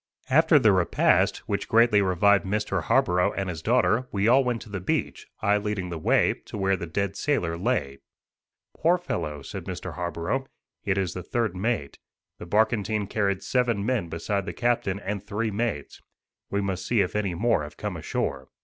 After the repast, which greatly revived Mr. Harborough and his daughter, we all went to the beach, I leading the way, to where the dead sailor lay. "Poor fellow," said Mr. Harborough, "it is the third mate. The barkentine carried seven men beside the captain and three mates. We must see if any more have come ashore."